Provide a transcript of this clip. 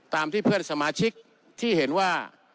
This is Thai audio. ตามที่เพื่อนสมาชิกที่เห็นว่า